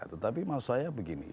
tetapi maksud saya begini